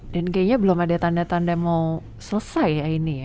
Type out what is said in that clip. dan kayaknya belum ada tanda tanda mau selesai ya ini ya